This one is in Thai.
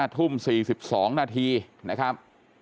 ทุ่ม๔๒นาทีนะครับ